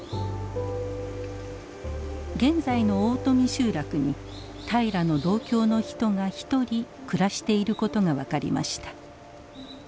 現在の大富集落に平良の同郷の人が１人暮らしていることが分かりました。